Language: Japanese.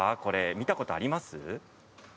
見たことあります？